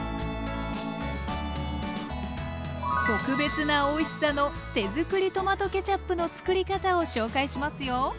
特別なおいしさの手づくりトマトケチャップのつくり方を紹介しますよ。